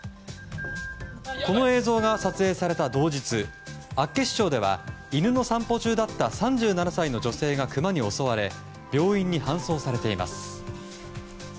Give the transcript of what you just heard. この映像が撮影された同日厚岸町では犬の散歩中だった３７歳の女性がクマに襲われ病院に搬送されています。